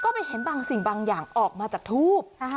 ก็ไปเห็นบางสิ่งบางอย่างออกมาจากทูบ